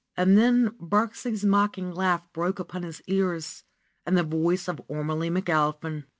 And then Birksie's mocking laugh broke upon his ears and the voice of Ormelie McAlpin.